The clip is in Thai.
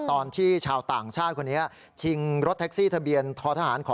ตอนที่ชาวต่างชาติคนนี้ชิงรถแท็กซี่ทะเบียนท้อทหารขอ